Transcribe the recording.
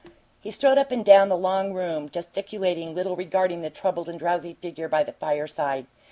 He strode up and down the long room, gesticulating little regarding the troubled and drowsy figure by the fireside.